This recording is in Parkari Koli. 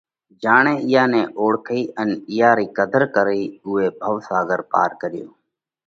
جيڻئہ اِيئا نئہ اوۯکئِي ان اِيئا رئِي قڌر ڪرئي اُوئہ ڀوَ ساڳر پار ڪريو